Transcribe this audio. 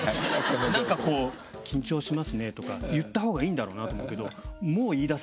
なんかこう「緊張しますね」とか言ったほうがいいんだろうなと思うけど。